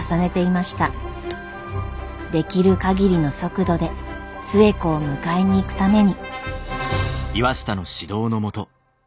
できる限りの速度で寿恵子を迎えに行くために。